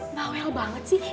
mba wel banget sih